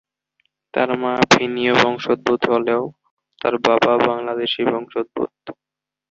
তার মা ফিনীয় বংশোদ্ভূত হলেও তার বাবা বাংলাদেশী বংশোদ্ভূত।